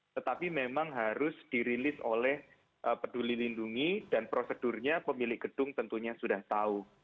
tetapi memang harus dirilis oleh peduli lindungi dan prosedurnya pemilik gedung tentunya sudah tahu